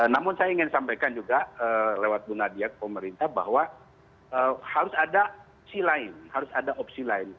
namun saya ingin sampaikan juga lewat bu nadia ke pemerintah bahwa harus ada opsi lain